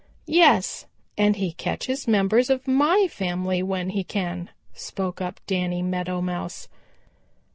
"Yes, and he catches members of my family when he can," spoke up Danny Meadow Mouse.